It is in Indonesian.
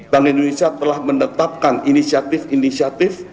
bank indonesia telah menetapkan inisiatif inisiatif